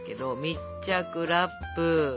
密着ラップ。